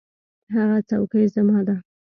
هغه څوکۍ زما ده.